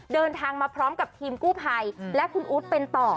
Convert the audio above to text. เดินทางมาพร้อมกับทีมกู้ภัยและคุณอู๊ดเป็นต่อ